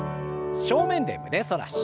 正面で胸反らし。